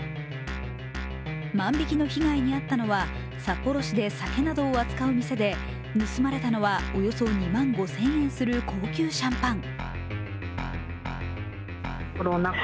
万引きの被害に遭ったのは、札幌市で酒などを扱う店で盗まれたのは、およそ２万５０００円する高級シャンパン。